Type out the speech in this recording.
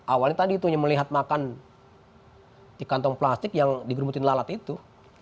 awalnya tadi itu hanya melihat makan di kantong plastik yang digerumutin lalat itu